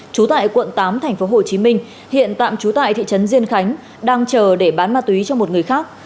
trú tại quận tám tp hcm hiện tạm trú tại thị trấn diên khánh đang chờ để bán ma túy cho một người khác